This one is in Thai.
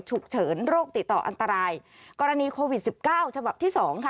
ฉุกเฉินโรคติดต่ออันตรายกรณีโควิด๑๙ฉบับที่๒